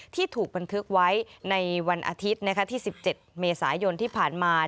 ที่ถูกบันทึกไว้ในวันอาทิตย์ที่๑๗เมษายนที่ผ่านมา